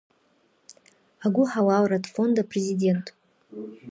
Агәыҳалалратә фонд апрезидент…